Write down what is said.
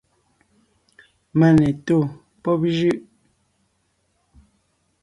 Mane tó pɔ́b jʉ́ʼ.